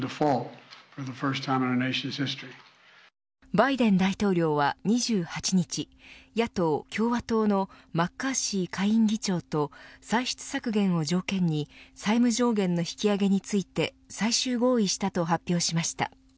バイデン大統領は２８日野党・共和党のマッカーシー下院議長と歳出削減を条件に債務上限の引き上げについて最終合意したと発表しました。